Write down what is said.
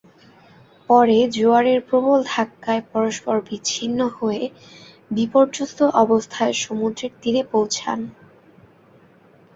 পরে জোয়ারের প্রবল ধাক্কায় পরস্পর বিচ্ছিন্ন হয়ে বিপর্যস্ত অবস্থায় সমুদ্রের তীরে পৌঁছান।